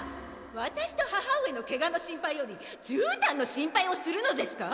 私と母上の怪我の心配より絨毯の心配をするのですか！？